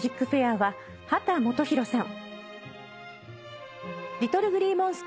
まずは秦基博さん